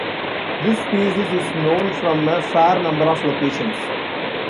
This species is known from a fair number of locations.